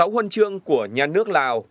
sáu huân chương của nhà nước lào